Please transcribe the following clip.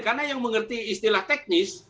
karena yang mengerti istilah teknis